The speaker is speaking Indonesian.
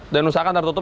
dan usahakan tertutup